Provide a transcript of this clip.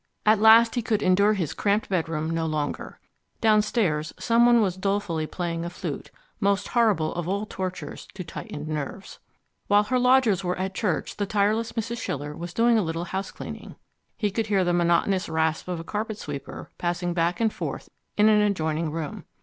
At last he could endure his cramped bedroom no longer. Downstairs someone was dolefully playing a flute, most horrible of all tortures to tightened nerves. While her lodgers were at church the tireless Mrs. Schiller was doing a little housecleaning: he could hear the monotonous rasp of a carpet sweeper passing back and forth in an adjoining room.